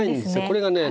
これがね。